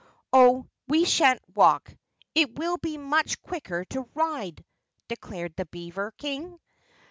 "Oh, we shan't walk. It will be much quicker to ride," declared the beaver King.